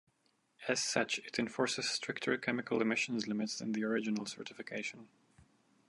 As such, it enforces stricter chemical emissions limits than the original certification.